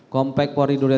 komplek polri durian tiga